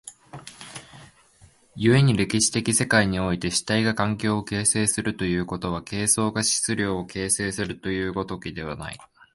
故に歴史的世界において主体が環境を形成するということは、形相が質料を形成するという如きことではない。